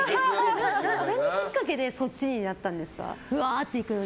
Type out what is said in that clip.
何きっかけでそっちになったんですか？